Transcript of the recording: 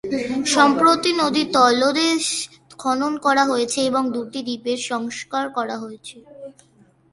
সম্প্রতি নদীর তলদেশ খনন করা হয়েছে এবং দুটি দ্বীপের সংস্কার করা হয়েছে।